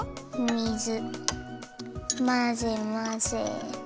水まぜまぜ。